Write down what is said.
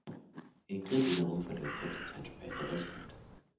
Ingrid wiederum verliert kurz Zeit später das Kind.